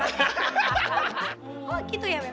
oh gitu ya beb